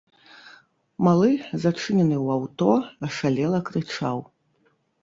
Малы, зачынены ў аўто, ашалела крычаў.